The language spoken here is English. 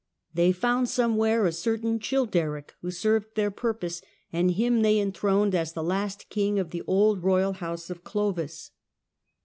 They found somewhere a certain Childeric who served their purpose, and him they enthroned as the last king of the old royal house of Clovis.